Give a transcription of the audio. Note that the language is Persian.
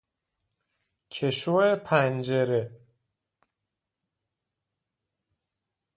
کشو پنجره